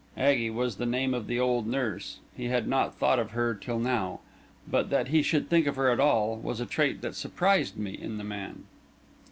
Aggie was the name of the old nurse; he had not thought of her till now; but that he should think of her at all, was a trait that surprised me in the man.